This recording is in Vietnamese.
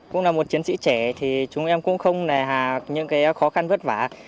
cũng là một chiến sĩ trẻ thì chúng em cũng không nề hà những khó khăn vất vả